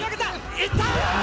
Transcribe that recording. いった！